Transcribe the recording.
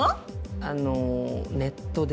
あのネットで。